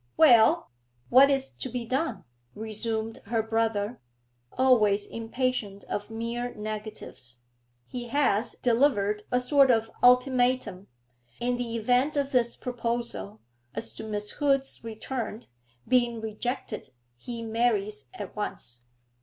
'Well, what is to be done?' resumed her brother, always impatient of mere negatives. 'He has delivered a sort of ultimatum. In the event of this proposal as to Miss Hood's return being rejected, he marries at once.'